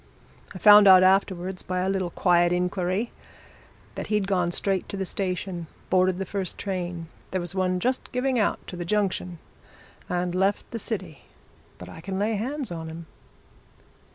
I found out afterwards, by a little quiet inquiry, that he'd gone straight to the station, boarded the first train there was one just giving out, to the junction and left the city. But I can lay hands on him!"